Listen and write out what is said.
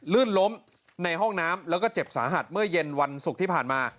ลื่นล้มในห้องน้ำแล้วก็เจ็บสาหัสเมื่อเย็นวันศุกร์ที่ผ่านมา